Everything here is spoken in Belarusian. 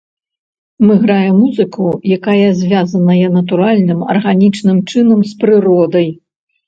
Мы граем музыку, якая звязаная натуральным, арганічным чынам з прыродай.